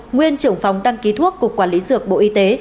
nguyên trưởng phòng đăng ký thuốc cục quản lý dược bộ y tế